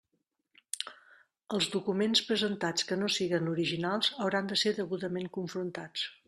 Els documents presentats que no siguen originals hauran de ser degudament confrontats.